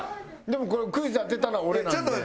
でもクイズ当てたのは俺なんで。